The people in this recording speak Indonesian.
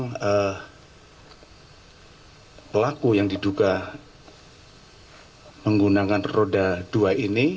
memang pelaku yang diduga menggunakan roda dua ini